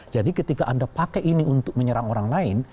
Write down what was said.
jadi ketika anda pakai ini untuk menyerang orang lain